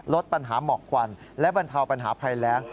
ลดปัญหาหมอกควันและบรรเทาปัญหาภัยแรง